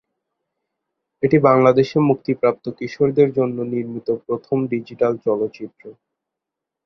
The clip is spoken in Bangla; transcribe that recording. এটি বাংলাদেশে মুক্তিপ্রাপ্ত কিশোরদের জন্য নির্মিত প্রথম ডিজিটাল চলচ্চিত্র।